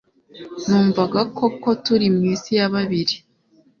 numvaga koko turi mwisi ya babiri